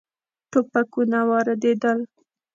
ټوپکونه واردېدل.